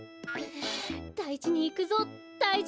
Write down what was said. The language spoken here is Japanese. だいじにいくぞだいじに！